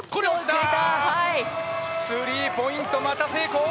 スリーポイント、また成功！